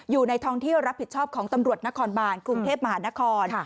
อยู่ในท้องที่รับผิดชอบของตำรวจนครบานกรุงเทพมหานคร